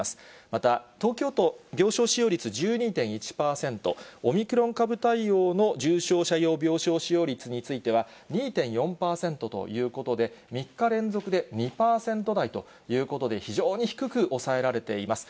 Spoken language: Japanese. また東京都、病床使用率１２．１％、オミクロン株対応の重症者用病床使用率については、２．４％ということで、３日連続で２％台ということで、非常に低く抑えられています。